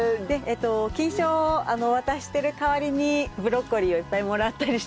菌床を渡してる代わりにブロッコリーをいっぱいもらったりしていて。